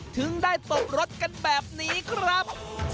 ถึงได้ตบรถกันแบบนี้ครับ